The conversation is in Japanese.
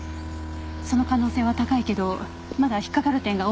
その可能性は高いけどまだ引っ掛かる点が多いの。